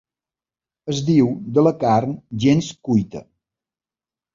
Es diu de la carn gens cuita.